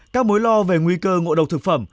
các mối lo về nguy cơ ngộ độc thực phẩm